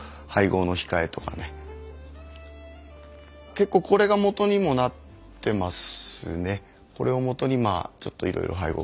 結構これがもとにもなってますね。